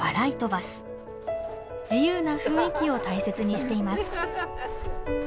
自由な雰囲気を大切にしています。